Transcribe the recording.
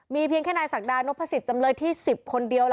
มีเพียงแค่นายศักดานพฤษฎจำเลยที่๑๐คนเดียวนะคะ